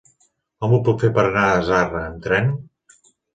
Com ho puc fer per anar a Zarra amb tren?